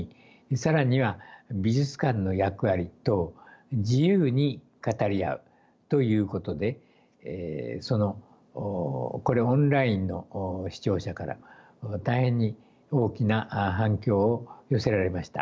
更には美術館の役割等自由に語り合うということでそのこれオンラインの視聴者から大変に大きな反響を寄せられました。